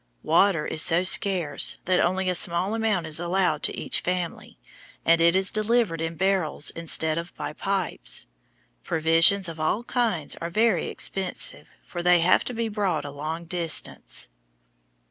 Water is so scarce that only a small amount is allowed to each family, and it is delivered in barrels instead of by pipes. Provisions of all kinds are very expensive, for they have to be brought a long distance.